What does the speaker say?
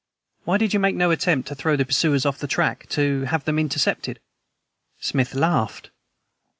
"Why did you make no attempt to throw the pursuers off the track, to have them intercepted?" Smith laughed.